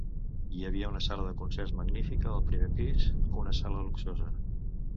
Hi havia una sala de concerts magnífica al primer pis, una sala luxosa.